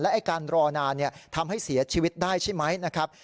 ไอ้การรอนานทำให้เสียชีวิตได้ใช่ไหมนะครับ